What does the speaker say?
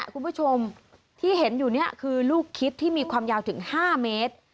คุณผู้ชมที่เห็นอยู่นี่คือลูกคิดที่มีความยาวถึง๕เมตร